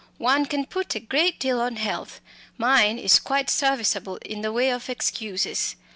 One can put a great deal on health mine is quite serviceable in the way of excuses.